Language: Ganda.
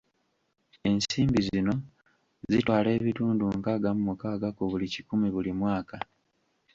Ensimbi zino, zitwala ebitundu nkaaga mu mukaaga ku buli kikumi buli mwaka.